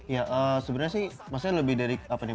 ya sebenarnya sih maksudnya lebih dari apa nih